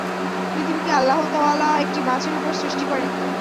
পৃথিবীকে আল্লাহ তাআলা একটি মাছের উপর সৃষ্টি করেন।